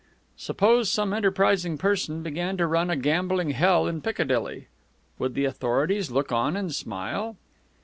"Suppose some enterprising person began to run a gambling hell in Piccadilly, would the authorities look on and smile?"